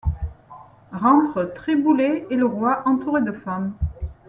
Rentrent Triboulet et le roi entouré de femmes.